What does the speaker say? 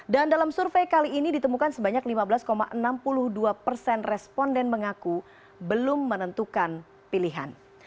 dan dalam survei kali ini ditemukan sebanyak lima belas enam puluh dua persen responden mengaku belum menentukan pilihan